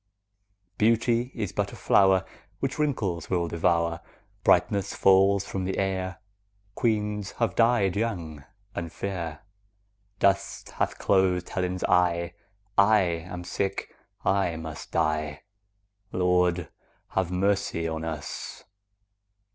Beauty is but a flower 15 Which wrinkles will devour; Brightness falls from the air; Queens have died young and fair; Dust hath closed Helen's eye; I am sick, I must die— 20 Lord, have mercy on us!